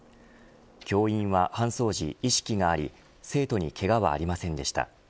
教員は搬送時、意識があり生徒にけがはありませんでした。